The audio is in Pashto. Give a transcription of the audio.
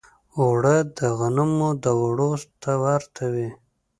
اوړه د غنمو دوړو ته ورته وي